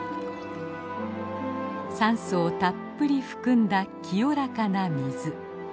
酸素をたっぷり含んだ清らかな水。